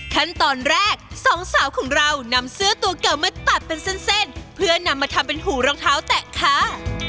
ขั้นตอนแรกสองสาวของเรานำเสื้อตัวเก่ามาตัดเป็นเส้นเพื่อนำมาทำเป็นหูรองเท้าแตะค่ะ